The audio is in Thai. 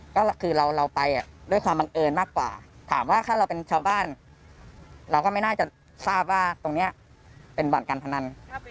ก็คือเราไปด้วยความบังเอิญมากกว่าถามว่าถ้าเราเป็นชาวบ้านเราก็ไม่น่าจะทราบว่าตรงนี้เป็นบ่อนการพนัน